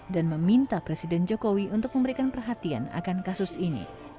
dan meminta presiden jokowi untuk memberikan perhatian akan kasus ini